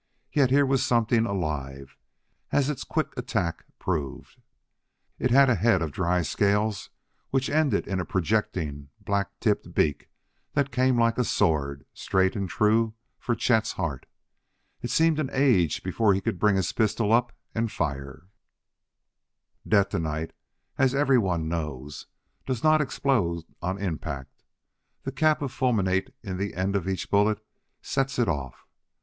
yet here was something alive, as its quick attack proved. It had a head of dry scales which ended in a projecting black tipped beak that came like a sword, straight and true for Chet's heart. It seemed an age before he could bring his pistol up and fire. Detonite, as everyone knows, does not explode on impact; the cap of fulminate in the end of each bullet sets it off.